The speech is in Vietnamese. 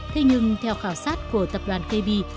thế nhưng theo khảo sát của tập đoàn kb